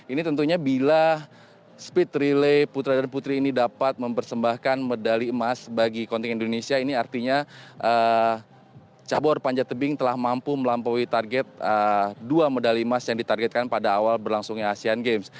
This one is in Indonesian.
ini tentunya bila speed relay putra dan putri ini dapat mempersembahkan medali emas bagi kontingen indonesia ini artinya cabur panjat tebing telah mampu melampaui target dua medali emas yang ditargetkan pada awal berlangsungnya asean games